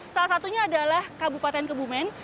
salah satunya adalah kabupaten kebumen